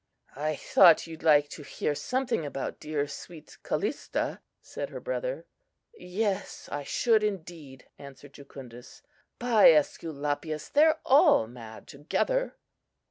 "I thought you'd like to hear something about dear, sweet Callista," said her brother. "Yes, I should indeed!" answered Jucundus. "By Esculapius! they're all mad together!"